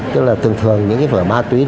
tức là thường thường những cái vở ma túy